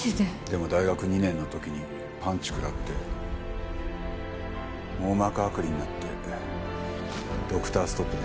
でも大学２年の時にパンチ食らって網膜剥離になってドクターストップです。